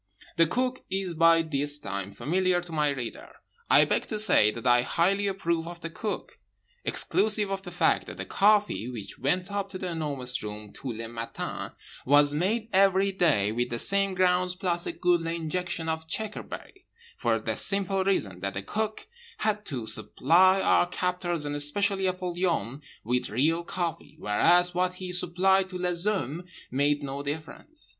The Cook is by this time familiar to my reader. I beg to say that I highly approve of The Cook; exclusive of the fact that the coffee, which went up to The Enormous Room tous les matins, was made every day with the same grounds plus a goodly injection of checkerberry—for the simple reason that the Cook had to supply our captors and especially Apollyon with real coffee, whereas what he supplied to les hommes made no difference.